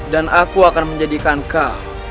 dan aku akan menjadikan kau